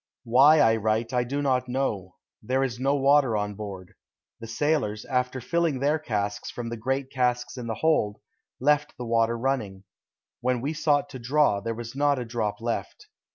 Why I write I do not know. There is no water on board. The sailors, after filling their casks from the great casks in the hold, left the water running. When we sought to draw there was not a drop left.